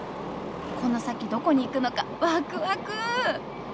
この先どこに行くのかワクワク！